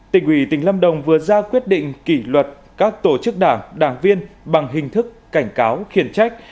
tỉnh ủy tỉnh lâm đồng vừa ra quyết định kỷ luật các tổ chức đảng đảng viên bằng hình thức cảnh cáo khiển trách